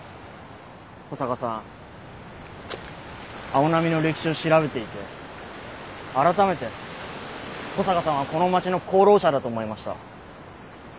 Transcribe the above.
青波の歴史を調べていて改めて保坂さんはこの町の功労者だと思いました。